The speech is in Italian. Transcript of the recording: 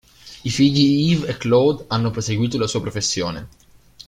I figli Yves e Claude hanno proseguito la sua professione.